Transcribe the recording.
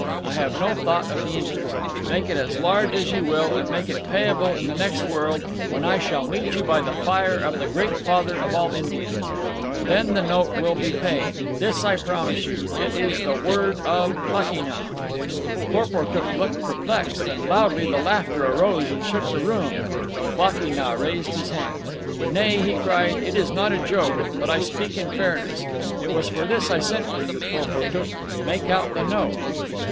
I have no thought of the interest. Make it as large as you will, and make it payable in the next world, when I shall meet you by the fire of the Great Father of all Indians. Then the note will be paid. This I promise you. It is the word of Klakee Nah." Porportuk looked perplexed, and loudly the laughter arose and shook the room. Klakee Nah raised his hands. "Nay," he cried. "It is not a joke. I but speak in fairness. It was for this I sent for you, Porportuk. Make out the note."